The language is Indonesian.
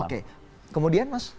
oke kemudian mas